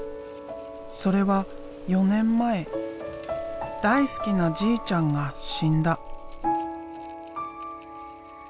それは４年前大好きなじいちゃんが死んだ。